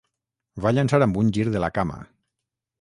Va llançar amb un gir de la cama.